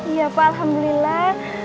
iya pa alhamdulillah